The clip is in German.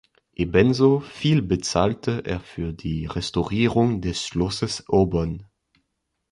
Ebenso viel bezahlte er für die Restaurierung des Schlosses Aubonne.